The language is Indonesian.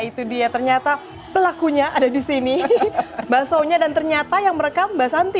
wah itu dia ternyata pelakunya ada di sini bahasanya dan ternyata yang merekam basanti